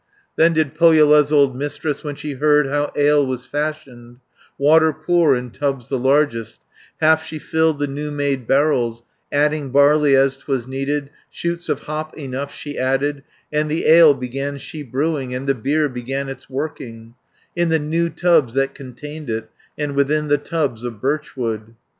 Then did Pohjola's old Mistress, When she heard how ale was fashioned, Water pour in tubs the largest, Half she filled the new made barrels, Adding barley as 'twas needed, Shoots of hop enough she added, 430 And the ale began she brewing, And the beer began its working, In the new tubs that contained it, And within the tubs of birch wood.